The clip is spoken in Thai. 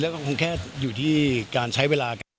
ก็คงแค่อยู่ที่การใช้เวลากันตัวครับ